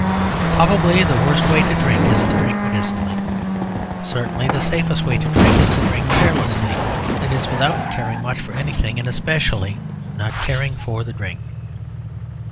Probably the worst way to drink is to drink medicinally. Certainly the safest way to drink is to drink carelessly; that is, without caring much for anything, and especially not caring for the drink.